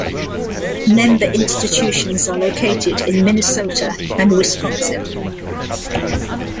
Member institutions are located in Minnesota and Wisconsin.